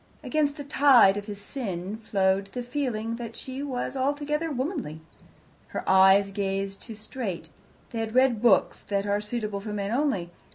Against the tide of his sin flowed the feeling that she was not altogether womanly. Her eyes gazed too straight; they had read books that are suitable for men only.